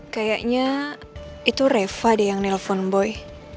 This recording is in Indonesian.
kayaknya itu reva deh yang nelfon boy